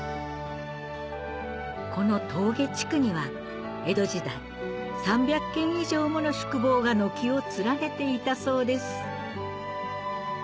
この手向地区には江戸時代３００軒以上もの宿坊が軒を連ねていたそうです